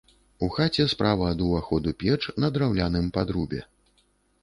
У хаце справа ад уваходу печ на драўляным падрубе.